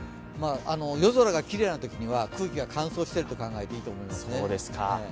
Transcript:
夜空がきれいなときには空気が乾燥していると考えていいと思います。